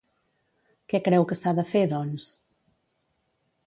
Què creu que s'ha de fer, doncs?